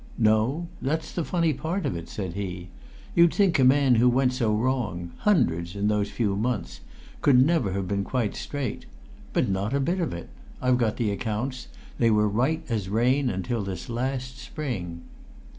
"No; that's the funny part of it," said he. "You'd think a man who went so wrong hundreds, in these few months could never have been quite straight. But not a bit of it. I've got the accounts; they were as right as rain till this last spring."